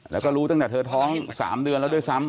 แล้วก็รู้ตั้งแต่เธอท้อง๓เดือนแล้วด้วยซ้ำ